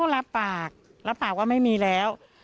รับปากรับปากว่าไม่มีแล้ว